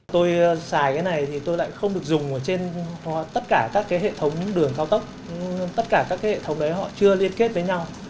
tôi xài cái này thì tôi lại không được dùng ở trên tất cả các hệ thống đường cao tốc tất cả các cái hệ thống đấy họ chưa liên kết với nhau